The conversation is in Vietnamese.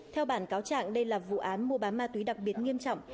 theo bản cáo trạng đây là vụ án mua bán ma túy đặc biệt nghiêm trọng